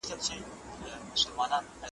ولي هوډمن سړی د تکړه سړي په پرتله بریا خپلوي؟